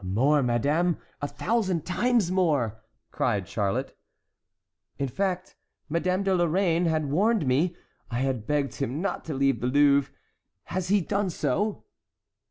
"More, madame,—a thousand times more!" cried Charlotte. "In fact, Madame de Lorraine had warned me; I had begged him not to leave the Louvre. Has he done so?"